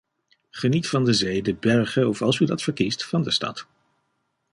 Geniet van de zee, de bergen of, als u dat verkiest, van de stad.